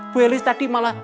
bu elis tadi malah